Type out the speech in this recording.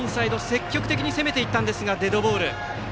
積極的に攻めていったんですがデッドボール。